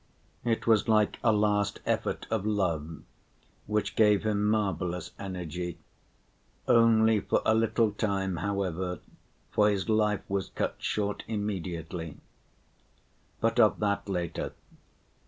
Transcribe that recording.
It was like a last effort of love which gave him marvelous energy; only for a little time, however, for his life was cut short immediately.... But of that later.